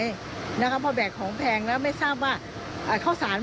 เยอะแพงแล้วไม่ทราบว่าราคาเข้าสาร